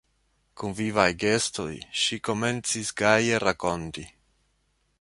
Kun vivaj gestoj ŝi komencis gaje rakonti: